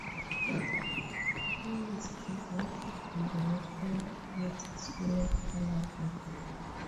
Lewis graduated from the National Theatre School of Canada.